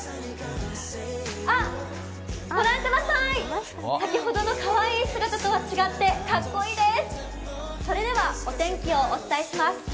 あっ、御覧ください、先ほどのかわいい姿とは違ってかっこいいです！